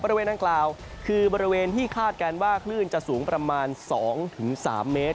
บริเวณดังกล่าวคือบริเวณที่คาดการณ์ว่าคลื่นจะสูงประมาณ๒๓เมตร